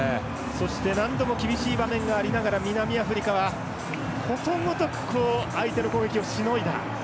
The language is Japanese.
そして、何度も厳しい場面がありながら南アフリカはことごとく相手の攻撃をしのいだ。